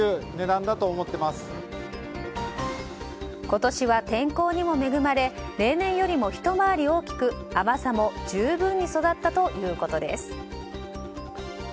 今年は天候にも恵まれ例年よりも、ひと回り大きく甘さも十分に育ったということです。